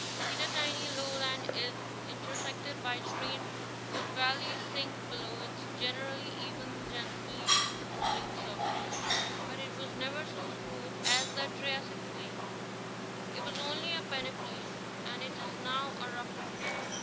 The Kittatinny lowland is intersected by streams whose valleys sink below its generally even, gently rolling surface ; but it was never so smooth as the Triassic plain. It was only a pene plain, and it is now a roughened peneplain.